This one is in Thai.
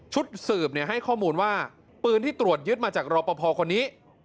ชุดสืบให้ข้อมูลว่าปืนที่ตรวจยึดมาจากรอปภคนนี้